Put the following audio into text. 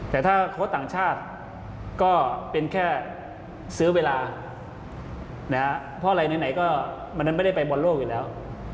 แต่ถ้าโค้ชต่างชาติก็เป็นแค่ซื้อเวลาเพราะอะไรไหนก็มันไม่ได้ไปบอลโลกอยู่แล้ว